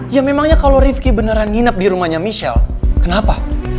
ya memangnya kalau rifki beneran nginap di rumahnya michelle kenapa